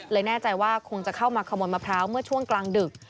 แน่ใจว่าคงจะเข้ามาขโมยมะพร้าวเมื่อช่วงกลางดึก